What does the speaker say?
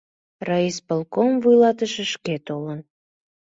Райисполком вуйлатыше шке толын.